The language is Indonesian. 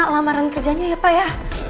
lamaran kerjanya ya pak ya